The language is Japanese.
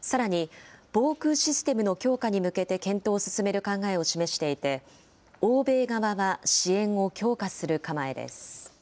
さらに防空システムの強化に向けて検討を進める考えを示していて、欧米側は支援を強化する構えです。